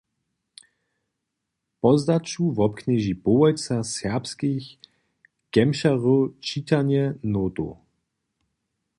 Pozdaću wobknježi połojca serbskich kemšarjow čitanje notow.